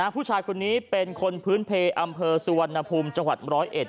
ผู้ชายคนนี้เป็นคนพื้นเพลย์อำเภอสุวรรณภูมิจังหวัดร้อยเอ็ด